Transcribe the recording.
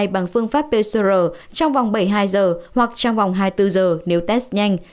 bằng phương pháp pcr trong vòng bảy mươi hai giờ hoặc trong vòng hai mươi bốn giờ nếu test nhanh